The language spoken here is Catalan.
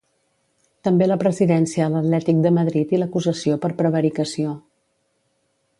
També la presidència a l'Atlètic de Madrid i l'acusació per prevaricació.